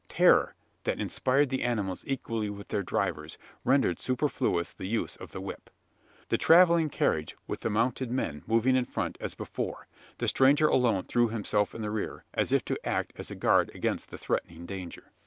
Terror, that inspired the animals equally with their drivers, rendered superfluous the use of the whip. The travelling carriage, with the mounted men, moved in front, as before. The stranger alone threw himself in the rear as if to act as a guard against the threatening danger.